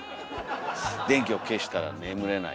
電気を消したら眠れない。